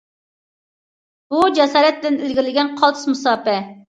بۇ، جاسارەت بىلەن ئىلگىرىلىگەن قالتىس مۇساپە.